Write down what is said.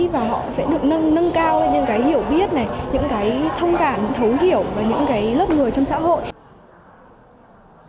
và họ sẽ được nâng cao lên những cái hiểu biết những cái thông cảm thấu hiểu về những cái lớp người trong xã hội